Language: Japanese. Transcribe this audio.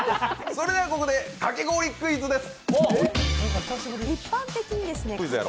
それではここでかき氷クイズです。